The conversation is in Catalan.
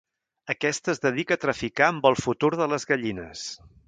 Aquesta es dedica a traficar amb el futur de les gallines.